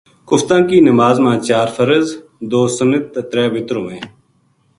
کفتاں کی نماز ما چار فرض، دو سنت تے ترے وتر ہوویں۔